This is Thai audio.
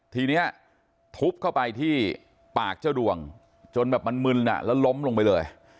ทีนี้ทุบเข้าไปที่ปากเจ้าดวงจนแบบมันมึนแล้วล้มลงไปเลย